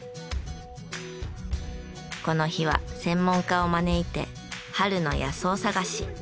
この日は専門家を招いて春の野草探し。